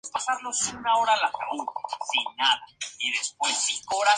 Desde entonces se reconoce a la cabecera como Ciudad Prócer.